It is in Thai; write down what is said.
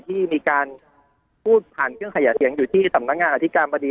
ที่มีการพูดผ่านเครื่องขยายเสียงอยู่ที่สำนักงานอธิการบดี